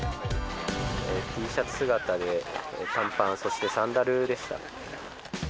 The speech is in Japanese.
Ｔシャツ姿で短パンそしてサンダルでした。